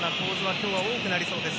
今日は多くなりそうです。